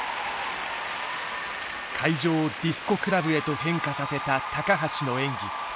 会場をディスコクラブへと変化させた橋の演技。